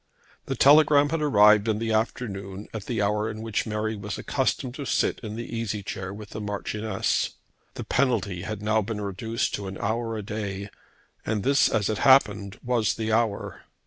The telegram had arrived in the afternoon at the hour in which Mary was accustomed to sit in the easy chair with the Marchioness. The penalty had now been reduced to an hour a day, and this, as it happened, was the hour.